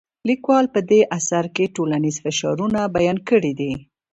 لیکوال په دې اثر کې ټولنیز فشارونه بیان کړي دي.